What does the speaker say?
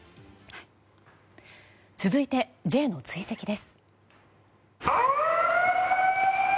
続いて、Ｊの追跡です。